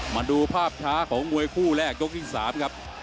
มาดูภาพช้าของมวยคู่แรกยกที่๓ครับ